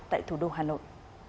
tại thủ đô hà nội